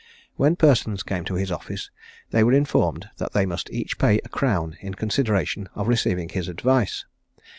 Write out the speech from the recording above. When persons came to his office, they were informed that they must each pay a crown in consideration of receiving his advice.